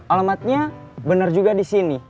alamatnya benar juga di sini